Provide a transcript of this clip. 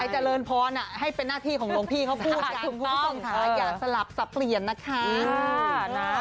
กระเรินพรให้เป็นหน้าที่ของลงพี่เขาพูดกันอย่าสลับสับเปลี่ยนนะคะ